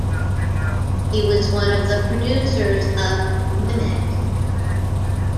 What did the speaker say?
He was one of the producers of "Mimic".